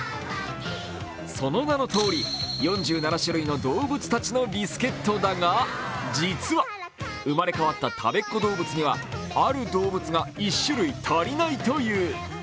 その名のとおり、４７種類の動物たちのビスケットだが、実は生まれ変わったたべっ子どうぶつには、ある動物が１種類足りないという。